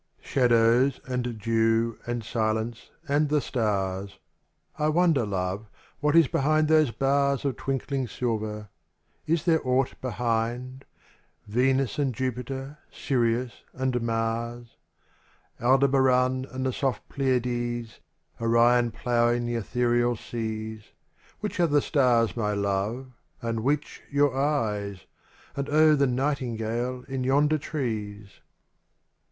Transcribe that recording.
IHADOWS and dew and silence and the stars; I wonder, love, what is behind those bars Of twinkling silver, — is there aught behind ?— Venus and Jupiter, Sirius and Mars; LDEBARAN, and the soft Pleiades, Orion ploughing the ethereal seas — Which are the stars, my love, and which your eyes? And O the nightingale in yonder trees